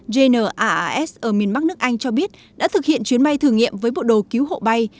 jnaas ở miền bắc nước anh cho biết đã thực hiện chuyến bay thử nghiệm với bộ đồ cứu hộ bay